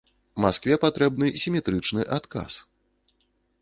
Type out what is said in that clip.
Маскве патрэбны сіметрычны адказ.